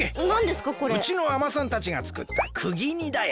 うちのあまさんたちがつくったくぎ煮だよ。